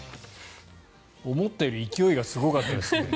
思ったより勢いがすごかったですね。